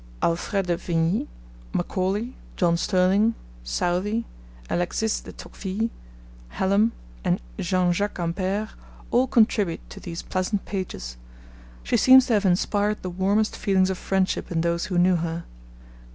Alfred de Vigny, Macaulay, John Stirling, Southey, Alexis de Tocqueville, Hallam, and Jean Jacques Ampere all contribute to these pleasant pages. She seems to have inspired the warmest feelings of friendship in those who knew her.